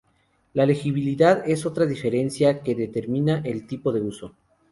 La legibilidad es otra diferencia que determina el tipo de uso.